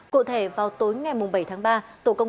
cụ thể vào tối ngày bảy tháng ba